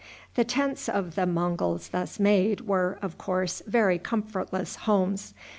The tents of the Monguls thus made were, of course, very comfortless homes.